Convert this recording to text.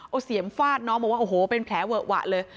เอาเสียมฟาดน้องบอกว่าโอ้โหเป็นแผลเวอะหวะเลย